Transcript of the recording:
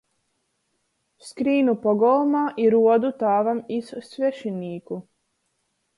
Skrīnu pogolmā i ruodu tāvam iz svešinīku.